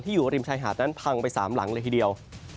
อยู่ริมชายหาดนั้นพังไป๓หลังเลยทีเดียว